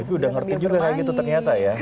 ya itu udah ngerti juga kayak gitu ternyata ya